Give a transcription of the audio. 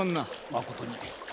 まことに。